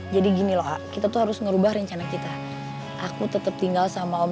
jadi gini loh kita tuh harus ngerubah rencana kita aku tetap tinggal sama om